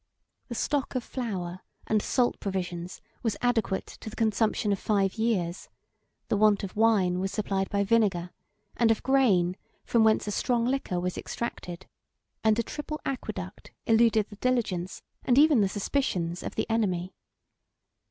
The stock of flour and salt provisions was adequate to the consumption of five years; the want of wine was supplied by vinegar; and of grain from whence a strong liquor was extracted, and a triple aqueduct eluded the diligence, and even the suspicions, of the enemy.